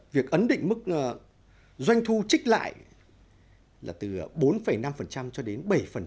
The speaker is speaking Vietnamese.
việc ấn định mức doanh thu trích lại là từ bốn năm cho đến bảy